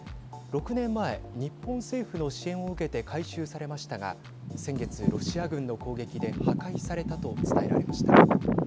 ６年前、日本政府の支援を受けて改修されましたが先月、ロシア軍の攻撃で破壊されたと伝えられました。